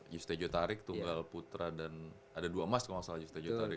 delapan puluh dua yusti jotarik tunggal putra dan ada dua emas kalau gak salah yusti jotarik